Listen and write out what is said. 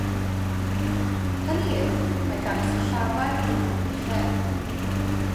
Hynny yw, mae gan y sillafau dôn uchel.